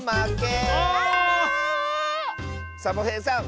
サボへいさん